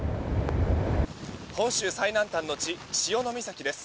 本州最南端の地潮岬です。